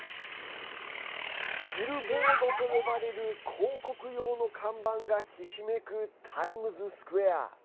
ビルボードと呼ばれる広告用の看板がひしめくタイムズスクエア。